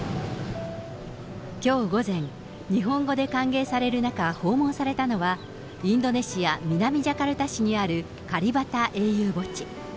きょう午前、日本語で歓迎される中、訪問されたのは、インドネシア・南ジャカルタ市にあるカリバタ英雄墓地。